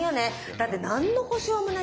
だって何の保証もないんだから。